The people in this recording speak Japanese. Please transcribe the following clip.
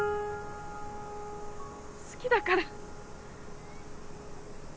好きだから。